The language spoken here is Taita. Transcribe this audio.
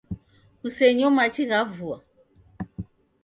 Kusenyo machi gha vua